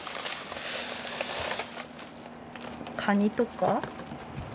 カニとか。